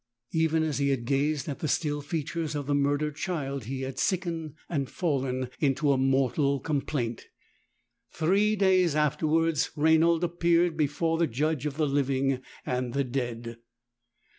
i6 Even as he had gazed at the still features of the murdered child he had sickened and fallen into a mortal complaint. Three days afterwards Rainald appeared before the Judge of the living and the dead.